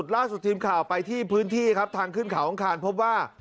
ล่าสุดทีมข่าวไปที่พื้นที่ครับทางขึ้นเขาอังคารพบว่า